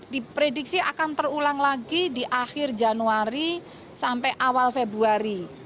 diprediksi akan terulang lagi di akhir januari sampai awal februari